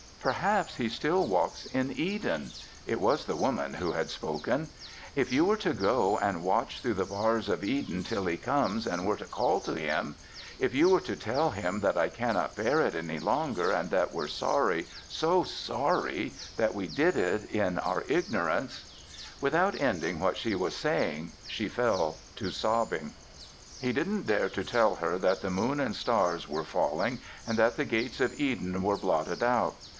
"Perhaps, He still walks in Eden." It was the Woman who had spoken. "If you were to go and watch through the bars of Eden till He comes and were to call to Him if you were to tell Him that I cannot bear it any longer and that we're sorry, so sorry that we did it in our ignorance " Without ending what she was saying, she fell to sobbing. He didn't dare to tell her that the moon and stars were falling and that the gates of Eden were blotted out.